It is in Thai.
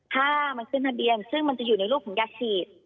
ถ้ามันขึ้นทะเบียนซึ่งมันจะอยู่ในรูปของยาฉีด